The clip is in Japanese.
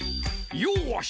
よし！